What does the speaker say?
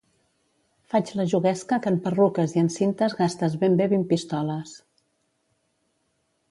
Faig la juguesca que en perruques i en cintes gastes ben bé vint pistoles;